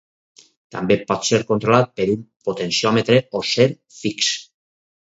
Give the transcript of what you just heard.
També pot ser controlat per un potenciòmetre o ser fix.